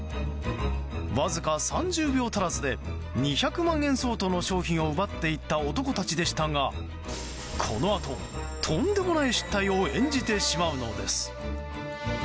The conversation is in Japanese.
わずか３０秒足らずで２００万円相当の商品を奪っていった男たちでしたがこのあと、とんでもない失態を演じてしまうのです。